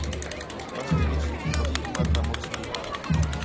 بس تی وِچ ہِک وݙّی عُمر تا مُݨس بھی ہا